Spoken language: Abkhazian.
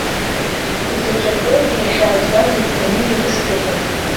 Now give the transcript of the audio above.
Зегьакоуп, иахьаазгаз иганы ирысҭаӡом.